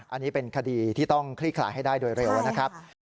อันนี้เป็นคดีที่ต้องคลี่คลายให้ได้โดยเร็วนะครับ